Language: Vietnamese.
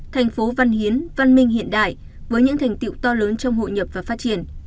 thành phố văn hiến văn minh hiện đại với những thành tiệu to lớn trong hội nhập và phát triển